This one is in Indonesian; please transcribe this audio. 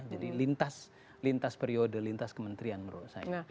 lintas periode lintas kementerian menurut saya